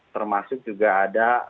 termasuk juga ada